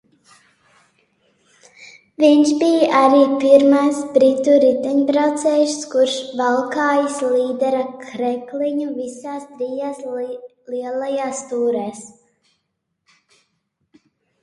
Viņš bija arī pirmais britu riteņbraucējs, kurš valkājis līdera krekliņu visās trijās Lielajās tūrēs.